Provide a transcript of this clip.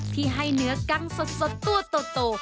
ที่ให้เนื้อกังสดตัวโต